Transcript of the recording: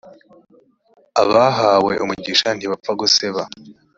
abahawe umugisha ntibapfaguseba.